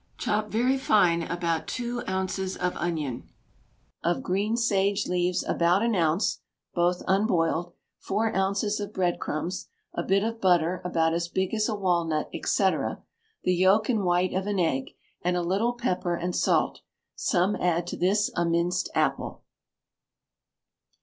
Chop very fine about two ounces of onion, of green sage leaves about an ounce (both unboiled), four ounces of bread crumbs, a bit of butter about as big as a walnut, &c., the yolk and white of an egg, and a little pepper and salt; some add to this a minced apple.